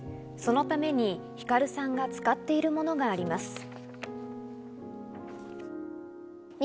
そのためにひかるさんが使っているものがあります。